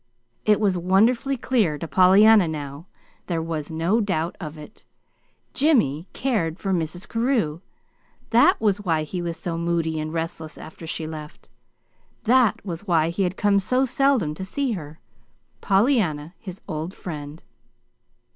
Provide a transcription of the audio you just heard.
It was wonderfully clear to Pollyanna now. There was no doubt of it. Jimmy cared for Mrs. Carew. That was why he was so moody and restless after she left. That was why he had come so seldom to see her, Pollyanna, his old friend.